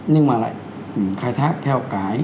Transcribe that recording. nhưng mà lại khai thác theo cái